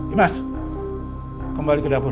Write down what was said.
imas kembali ke dapur